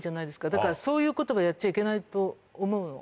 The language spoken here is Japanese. だからそういうことはやっちゃいけないと思うの。